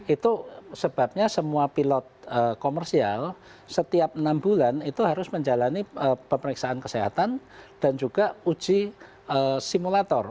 itu sebabnya semua pilot komersial setiap enam bulan itu harus menjalani pemeriksaan kesehatan dan juga uji simulator